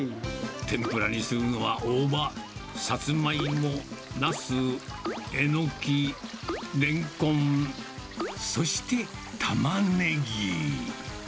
天ぷらにするのは大葉、サツマイモ、ナス、エノキ、レンコン、そしてタマネギ。